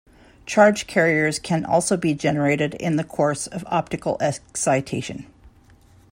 Charge carriers can also be generated in the course of optical excitation.